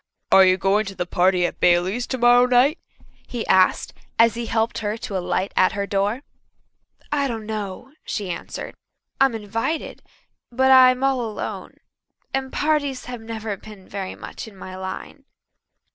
"Are you going to the party at Baileys' tomorrow night?" he asked, as he helped her to alight at her door. "I don't know," she answered. "I'm invited but I'm all alone and parties have never been very much in my line."